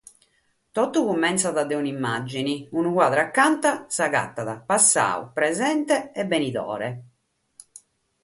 Totu cumentzat dae un’imàgine, unu cuadru acanta s’agatat passadu, presente e benidore.